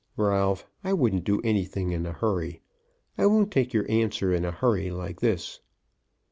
"Ralph; I wouldn't do anything in a hurry. I won't take your answer in a hurry like this."